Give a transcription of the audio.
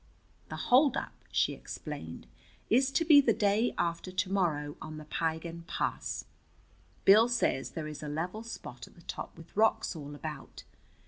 "The holdup," she explained, "is to be the day after to morrow on the Piegan Pass. Bill says there is a level spot at the top with rocks all about.